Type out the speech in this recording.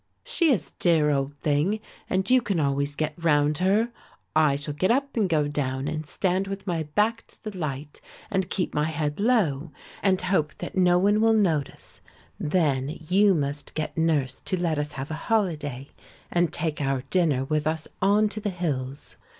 "She is a dear old thing and you can always get round her. I shall get up and go down and stand with my back to the light and keep my head low, and hope that no one will notice; then you must get nurse to let us have a holiday and take our dinner with us on to the hills.